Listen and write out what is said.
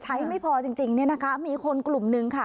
ใช้ไม่พอจริงจริงเนี้ยนะคะมีคนกลุ่มหนึ่งค่ะ